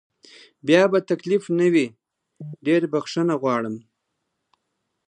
بیا به تکلیف نه وي، ډېره بخښنه غواړم.